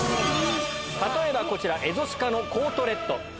例えばこちら、蝦夷鹿のコートレット。